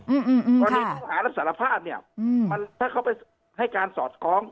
อืมอืมอืมค่ะต้องหารับสารภาพเนี่ยมันถ้าเขาไปให้การสอดค้อง